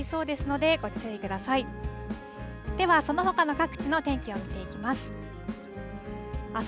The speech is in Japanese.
ではそのほかの各地の天気を見ていきます。